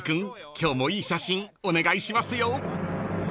今日もいい写真お願いしますよ］